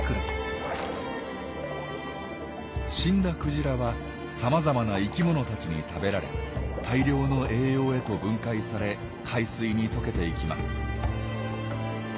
死んだクジラはさまざまな生きものたちに食べられ大量の栄養へと分解され海水に溶けていきます。